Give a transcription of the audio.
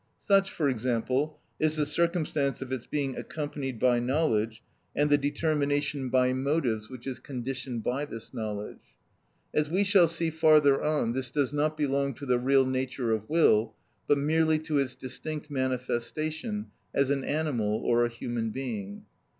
Such, for example, is the circumstance of its being accompanied by knowledge, and the determination by motives which is conditioned by this knowledge. As we shall see farther on, this does not belong to the real nature of will, but merely to its distinct manifestation as an animal or a human being.